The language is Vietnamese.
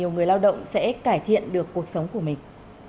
người lao động sẽ cải thiện được cuộc sống của mình